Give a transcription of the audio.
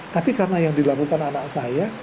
tapi karena yang dilakukan anak saya